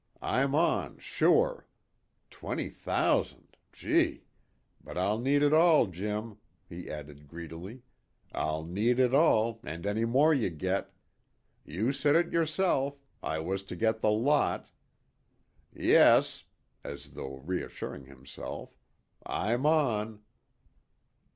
"I'm on sure. Twenty thousand! Gee! But I'll need it all, Jim," he added greedily. "I'll need it all, and any more you git. You said it yourself, I was to git the lot. Yes," as though reassuring himself, "I'm on."